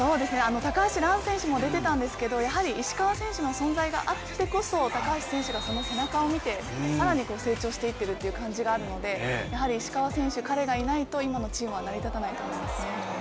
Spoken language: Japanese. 高橋藍選手も出ていたんですけど、やはり石川祐希選手の存在があってこそ、高橋選手がその背中を見て、更に成長していってるという感じがあるのでやはり石川選手、彼がいないと今のチームは成り立たないと思います。